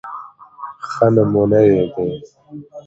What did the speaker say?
ښه نمونه يې د